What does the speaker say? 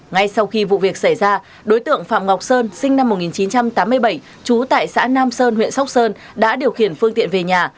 ngay sau khi vụ việc xảy ra đối tượng phạm ngọc sơn sinh năm một nghìn chín trăm tám mươi bảy trú tại xã nam sơn huyện sóc sơn đã điều khiển phương tiện về nhà